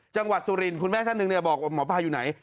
จังหวัดสุรินคุณแม่ท่านหนึ่งเลยบอกว่าหมอปลาอยู่ไหน